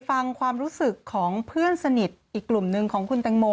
ฟังความรู้สึกของเพื่อนสนิทอีกกลุ่มหนึ่งของคุณแตงโม